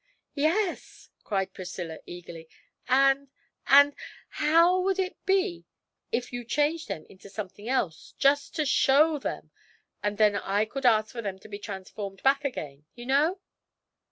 'Yes!' cried Priscilla eagerly, 'and and how would it be if you changed them into something else, just to show them, and then I could ask for them to be transformed back again, you know?'